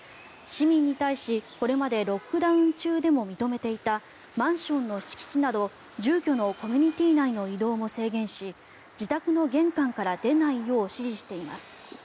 市民に対しこれまでロックダウン中でも認めていたマンションの敷地など住居のコミュニティー内の移動も制限し自宅の玄関から出ないよう指示しています。